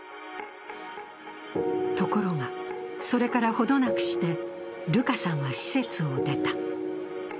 ところが、それから程なくしてルカさんは施設を出た。